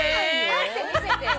立って見せてよ。